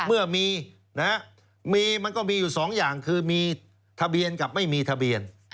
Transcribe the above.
เมื่อมีมันก็มีอยู่๒อย่างคือมีทะเบียนกับไม่มีทะเบียน